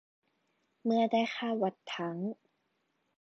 เมื่อได้ค่าวัดทั้ง